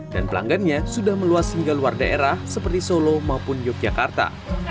dan pelanggannya sudah meluas hingga luar daerah seperti solo maupun yogyakarta